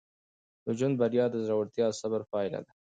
د ژوند بریا د زړورتیا او صبر پایله ده.